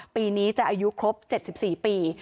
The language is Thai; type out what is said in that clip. ปีนี้จะอายุครบ๗๔ปี